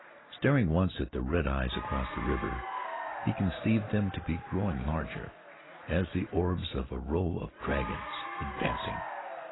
Staring once at the red eyes across the river, he conceived them to be growing larger, as the orbs of a row of dragons advancing.